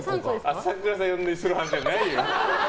朝倉さん呼んでする話じゃないよ。